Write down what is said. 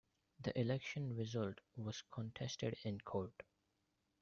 The election result was contested in court.